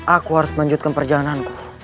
aku harus menjutkan perjalananku